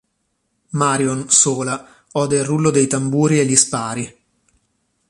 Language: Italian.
Marion, sola, ode il rullo dei tamburi e gli spari.